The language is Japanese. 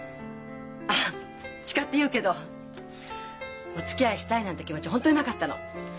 あっ誓って言うけどおつきあいしたいなんて気持ち本当になかったの。